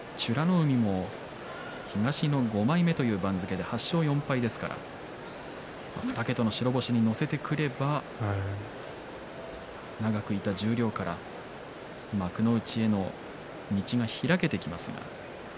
海も東の５枚目という番付で８勝４敗ですから２桁の白星に乗せてくれば長くいた十両から幕内への道が開けてきますが。